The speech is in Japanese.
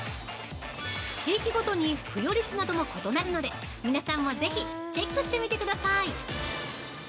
地域ごとに付与率なども異なるので、皆さんもぜひチェックしてみてください！